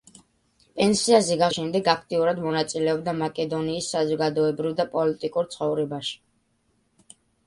პენსიაზე გასვლის შემდეგ აქტიურად მონაწილეობდა მაკედონიის საზოგადოებრივ და პოლიტიკურ ცხოვრებაში.